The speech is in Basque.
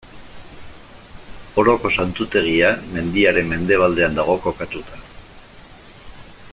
Oroko Santutegia mendiaren mendebaldean dago kokatuta.